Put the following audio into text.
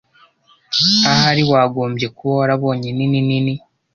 Ahari wagombye kuba warabonye nini nini.